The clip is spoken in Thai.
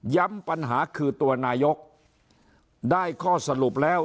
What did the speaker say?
ปัญหาคือตัวนายกได้ข้อสรุปแล้ว